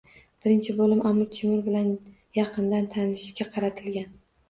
Birinchi bo‘lim Amir Temur bilan yaqindan tanishishga qaratilgan